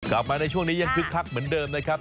กลับมาในช่วงนี้ยังคึกคักเหมือนเดิมนะครับ